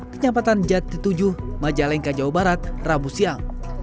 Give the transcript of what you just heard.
kenyampatan jatitujuh majalengka jawa barat rabu siang